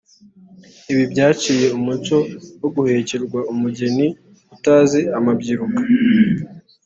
Ibi byaciye umuco wo guhekerwa umugeni utazi amabyiruka